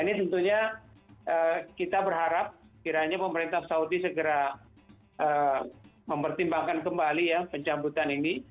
ini tentunya kita berharap kiranya pemerintah saudi segera mempertimbangkan kembali ya pencabutan ini